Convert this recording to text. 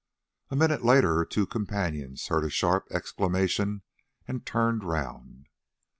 A minute later her two companions heard a sharp exclamation and turned round.